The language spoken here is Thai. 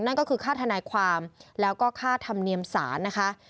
นั่นก็คือค่าทนายความแล้วก็ค่าธรรมเนียมศาลนะคะ